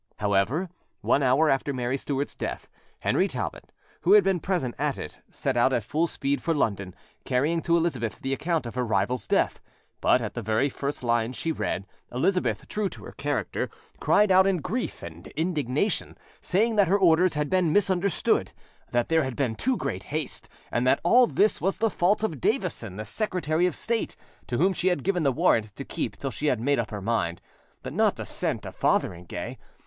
However, one hour after Mary Stuart's death, Henry Talbot, who had been present at it, set out at full speed for London, carrying to Elizabeth the account of her rival's death; but at the very first lines she read, Elizabeth, true to her character, cried out in grief and indignation, saying that her orders had been misunderstood, that there had been too great haste, and that all this was the fault of Davison the Secretary of State, to whom she had given the warrant to keep till she had made up her mind, but not to send to Fotheringay.